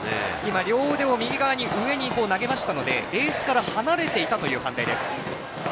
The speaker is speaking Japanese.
両腕を右側に上げましたのでベースから離れていたという判定です。